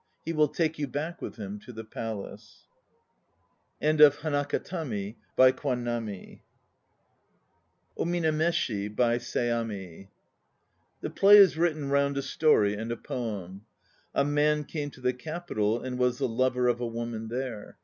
He will take you back with him to the palace. 1 The time before his accession. OMINAMESHI By SEAM I THE play is written round a story and a poem. A man came to the capital and was the lover of a woman there.